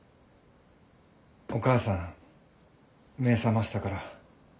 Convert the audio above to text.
お母さん目覚ましたから。